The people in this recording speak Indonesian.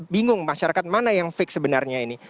bingung masyarakat mana yang fix sebenarnya ini